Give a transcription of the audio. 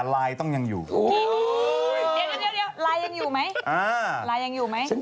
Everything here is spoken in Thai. ลายยังอยู่ไหม